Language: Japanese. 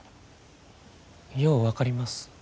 よう分かります。